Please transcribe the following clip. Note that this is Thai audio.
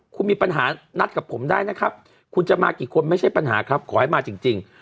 คุณมีปัญหานัดกับผมได้นะครับคุณจะมากี่คนไม่ใช่ปัญหาครับขอให้มาจริง